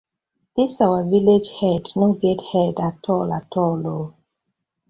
Dis our villag head no get head atoll atoll oo.